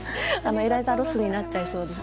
エライザロスになっちゃいそうです。